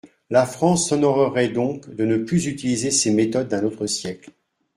La France s’honorerait donc de ne plus utiliser ces méthodes d’un autre siècle.